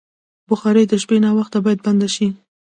بخاري د شپې ناوخته باید بنده شي.